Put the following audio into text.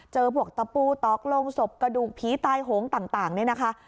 พวกตะปูต๊อกโรงศพกระดูกผีตายโหงต่างนี่นะคะ